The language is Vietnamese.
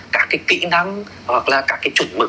các cái kỹ năng hoặc là các cái chuẩn mực